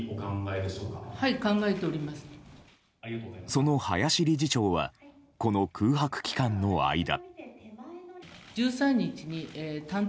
その林理事長はこの空白期間の間。